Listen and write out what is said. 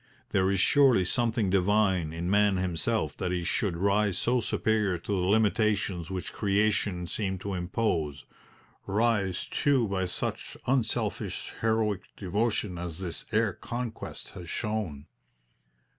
There is surely something divine in man himself that he should rise so superior to the limitations which Creation seemed to impose rise, too, by such unselfish, heroic devotion as this air conquest has shown.